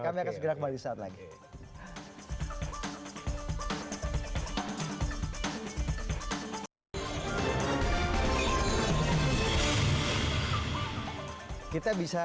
kami akan segera kembali saat lagi